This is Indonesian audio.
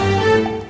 ate bisa menikah